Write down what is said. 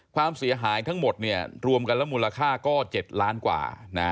ความเสียหายทั้งหมดรวมกันแล้วมูลค่าก็๗ล้านกว่า